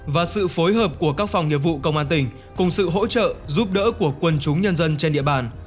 và sự phối hợp của các phòng nghiệp vụ công an tỉnh cùng sự hỗ trợ giúp đỡ của quân chúng nhân dân trên địa bàn